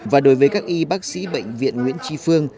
và đối với các y bác sĩ bệnh viện nguyễn tri phương